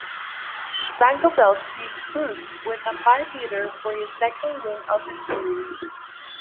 Stan Coveleski cruised with a five-hitter for his second win of the Series.